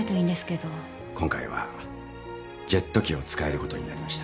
今回はジェット機を使えることになりました。